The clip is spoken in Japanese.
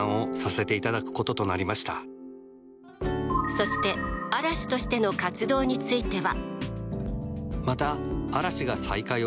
そして嵐としての活動については。